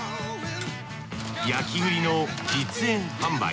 焼き栗の実演販売。